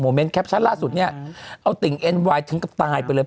เน้นแคปชั่นล่าสุดเนี่ยเอาติ่งเอ็นไวน์ถึงกับตายไปเลย